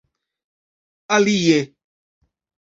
alie